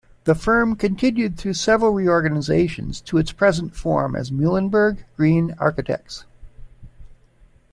The firm continued through several reorganizations to its present form as Muhlenberg Greene Architects.